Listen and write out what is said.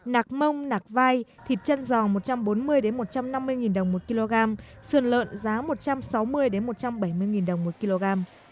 nạc mông nạc vai thịt chân giò một trăm bốn mươi một trăm năm mươi đồng một kg sườn lợn giá một trăm sáu mươi một trăm bảy mươi đồng một kg